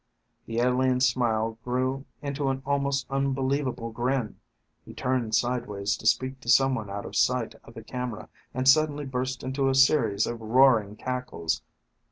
The alien's smile grew into an almost unbelievable grin. He turned sideways to speak to someone out of sight of the camera and suddenly burst into a series of roaring cackles.